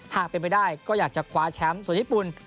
หากเป็นไปได้ก็อยากจะคว้าแชมป์ส่วนญี่ปุ่น